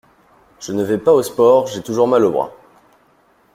Je ne vais pas au sport, j'ai toujours mal au bras.